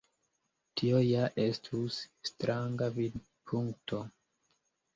Tio ja estus stranga vidpunkto.